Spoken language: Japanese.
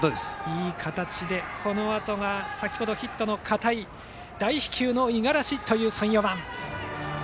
いい形でこのあとが先程ヒットの片井大飛球の五十嵐という３、４番。